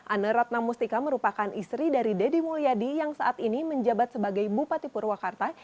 ane ratnamustika merupakan istri dari deddy mulyadi yang saat ini menjabat sebagai bupati purwakarta